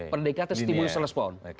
pendekatan stimulus respon